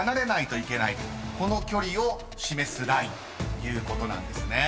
［この距離を示すラインということなんですね］